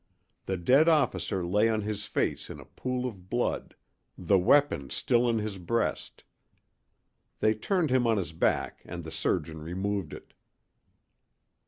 The dead officer lay on his face in a pool of blood, the weapon still in his breast. They turned him on his back and the surgeon removed it.